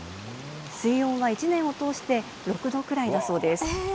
水温は一年を通して６度くらいだそうです。